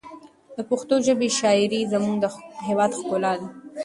د پښتو ژبې شاعري زموږ د هېواد ښکلا ده.